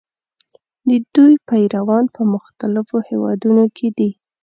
د دوی پیروان په مختلفو هېوادونو کې دي.